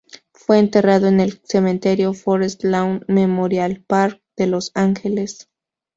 Fue enterrado en el cementerio Forest Lawn Memorial Park de Los Ángeles.